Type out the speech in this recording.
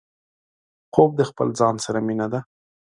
خوب د خپل ځان سره مينه ده